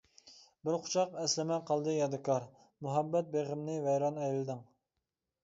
بىر قۇچاق ئەسلىمە قالدى يادىكار، مۇھەببەت بېغىمنى ۋەيران ئەيلىدىڭ.